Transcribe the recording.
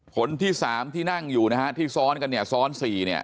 คนที่สามที่นั่งอยู่นะฮะที่ซ้อนกันเนี่ยซ้อน๔เนี่ย